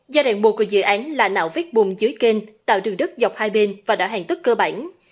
giai đoạn một của dự án là nạo vét bùm dưới kênh tạo đường đất dọc hai bên và đảo hành tức cơ bản